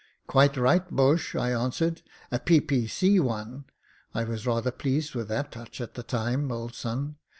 " 'Quite right, Boche,' I answered. *A p.p.c. one/ ''I was rather pleased with that touch at the time, old son.